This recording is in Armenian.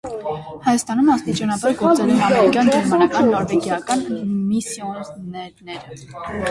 Հայաստանում աստիճանաբար գործել են ամերիկյան, գերմանական, նորվեգիական միսիոներները։